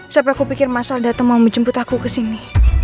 sampai aku pikir mas aldata mau menjemput aku kesini